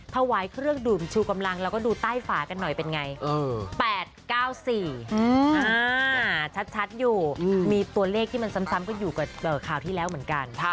ถวายเครื่องดื่มชูกำลังแล้วก็ดูใต้ฝากันหน่อยเป็นไง๘๙๔ชัดอยู่มีตัวเลขที่มันซ้ำกันอยู่กับข่าวที่แล้วเหมือนกัน